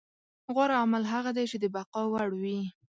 غوره عمل هغه دی چې د بقا وړ وي.